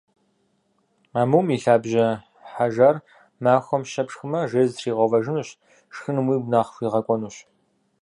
Амум и лъабжьэ хьэжар махуэм щэ пшхымэ, жейр зэтригъэувэжынущ, шхыным уигу нэхъ хуигъэкӏуэнущ.